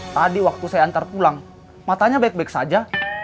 tadi waktu saya antar pulang matanya baik baik saja